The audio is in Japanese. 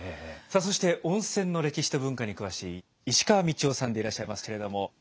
さあそして温泉の歴史と文化に詳しい石川理夫さんでいらっしゃいますけれども。